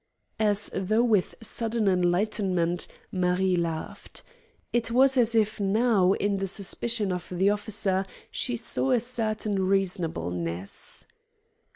As though with sudden enlightenment, Marie laughed. It was as if now in the suspicion of the officer she saw a certain reasonableness.